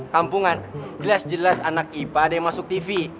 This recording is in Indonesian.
kampungan jelas jelas anak ipa ada yang masuk tv